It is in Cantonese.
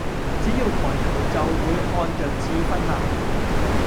只要抬頭就會看著智勳啦！